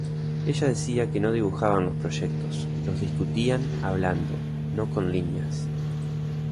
Ella decía que no dibujaban los proyectos, los discutían hablando, no con líneas.